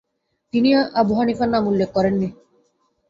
তিনি আবু হানিফার নাম উল্লেখ করেননি।